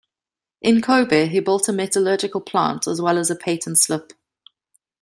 In Kobe, he built a metallurgical plant, as well as a patent slip.